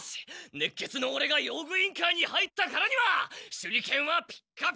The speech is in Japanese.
熱血のオレが用具委員会に入ったからには手裏剣はピッカピカにみがく！